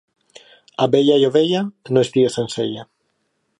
Abella i ovella, no estigues sense ella.